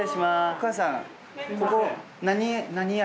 お母さん。